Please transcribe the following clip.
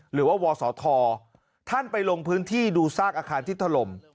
หรือว่าวศธท่านไปลงพื้นที่ดูซากอาคารที่ถล่ม